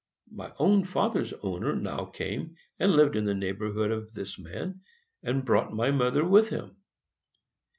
My own father's owner now came and lived in the neighborhood of this man, and brought my mother with him.